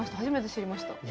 初めて知りました。